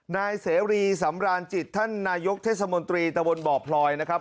นายเสรีสำรานจิตท่านนายกเทศมนตรีตะบนบ่อพลอยนะครับ